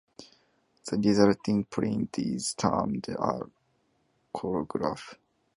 The resulting print is termed a collagraph.